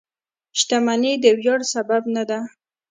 • شتمني د ویاړ سبب نه ده.